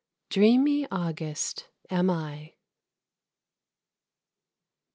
Dreamy August am I.